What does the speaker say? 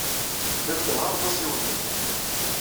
Telliḍ teɣɣareḍ-as i weltma-k.